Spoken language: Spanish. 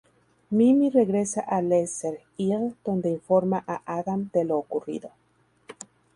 Mimi regresa a Lesser Hill donde informa a Adam de lo ocurrido.